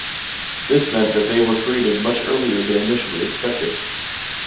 This meant that they were created much earlier than initially expected.